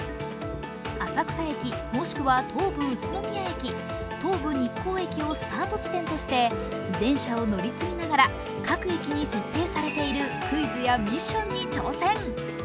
浅草駅もしくは東武宇都宮駅、東武日光駅をスタート地点として、電車を乗り継ぎながら各駅に設定されているクイズやミッションに挑戦。